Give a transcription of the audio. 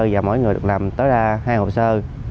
và mỗi người được làm tới ra hai hồ sơ